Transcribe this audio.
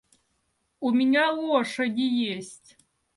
У меня лошади есть.